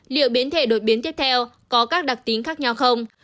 liệu biến thể đột biến tiếp theo có các đặc tính khác nhau không